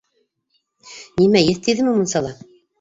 Нимә, еҫ тейҙеме мунсала?